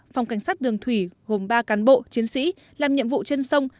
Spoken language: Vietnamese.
phòng cảnh sát đường thủy gồm ba cán bộ chiến sĩ làm nhiệm vụ trên sông